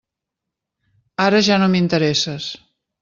Ara ja no m'interesses.